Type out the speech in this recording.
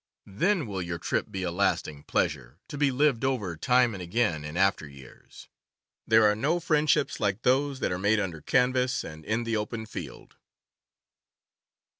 Then will your trip be a lasting pleasure, to be lived over time and again in after years. There are no friendships like those that are made under canvas and in the open field.